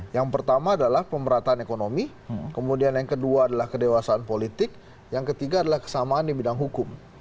yang pertama adalah pemerataan ekonomi kemudian yang kedua adalah kedewasaan politik yang ketiga adalah kesamaan di bidang hukum